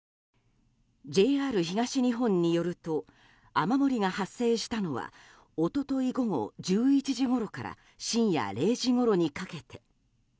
ＪＲ東日本によると雨漏りが発生したのは一昨日午後１１時ごろから深夜０時ごろにかけて。